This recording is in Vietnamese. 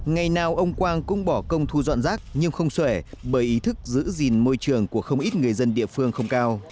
ngày nào ông quang cũng bỏ công thu dọn rác nhưng không xòe bởi ý thức giữ gìn môi trường của không ít người dân địa phương không cao